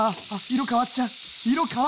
色変わっちゃう！